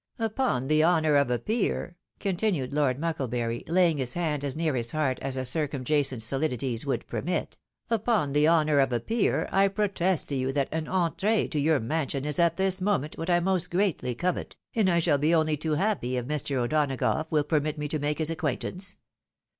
Upon the honour of a peer," continued Lord Muoklebury, laying his hand as near his heart as the circumjacent sohdities would permit, ." upon the honour of a peer, I protest to you that an entree to your mansion is at this moment what I most greatly covet, and I shall be only too happy if Mr. O'Donagough will permit me to make his acquaintance.